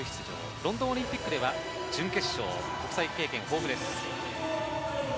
ロンドンオリンピックでは、準決勝、国際経験豊富です。